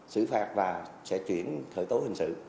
xử phạt và sẽ chuyển khởi tố hình sự